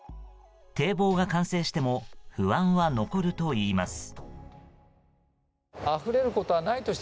堤防が完成しても不安は残るといいます。